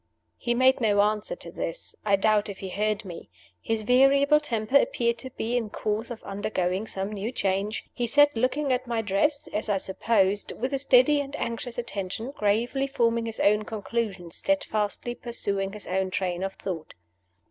He made no answer to this; I doubt if he heard me. His variable temper appeared to be in course of undergoing some new change. He sat looking at my dress (as I supposed) with a steady and anxious attention, gravely forming his own conclusions, steadfastly pursuing his own train of thought.